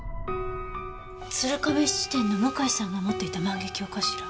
鶴亀質店の向井さんが持っていた万華鏡かしら？